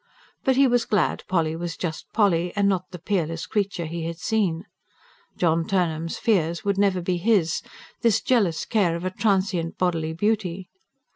But he was glad Polly was just Polly, and not the peerless creature he had seen. John Turnham's fears would never be his this jealous care of a transient bodily beauty.